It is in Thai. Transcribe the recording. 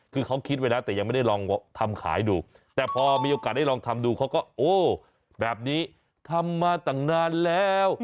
คือเขาคิดไว้นะแต่ยังไม่ได้ลองทำขายดูแต่พอมีโอกาสได้ลองทำดูเขาก็โอ้แบบนี้ทำมาตั้งนานแล้ว